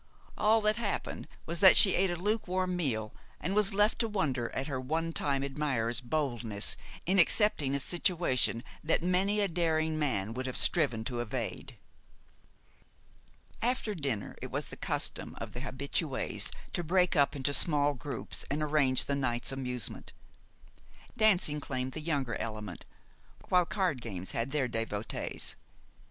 All that happened was that she ate a lukewarm meal, and was left to wonder at her one time admirer's boldness in accepting a situation that many a daring man would have striven to evade. After dinner it was the custom of the habitués to break up into small groups and arrange the night's amusement. Dancing claimed the younger element, while card games had their devotees.